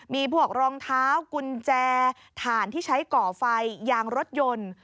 มีพวกรองเท้ากุญแจถ่านที่ใช้ก่อไฟยางรถยนต์